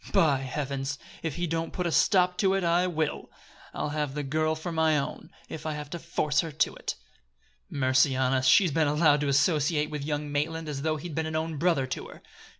By heavens! if he don't put a stop to it, I will. I'll have the girl for my own, if I have to force her to it! Mercy on us! she's been allowed to associate with young Maitland as though he'd been an own brother to her!